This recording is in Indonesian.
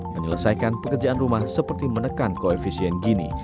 menyelesaikan pekerjaan rumah seperti menekan koefisien gini